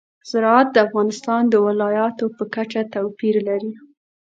زراعت د افغانستان د ولایاتو په کچه توپیر لري.